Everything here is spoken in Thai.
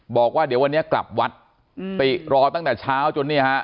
บอกว่าเดี๋ยววันนี้กลับวัดติรอตั้งแต่เช้าจนเนี่ยฮะ